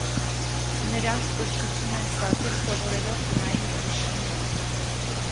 Նրանք կրթություն են ստացել սովորելով տնային ուսուցչի մոտ։